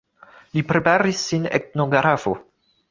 Li preparis sin etnografo.